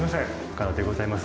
岡田でございます。